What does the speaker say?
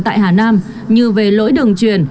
tại hà nam như về lỗi đường truyền